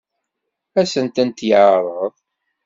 Ad sent-tent-yeɛṛeḍ?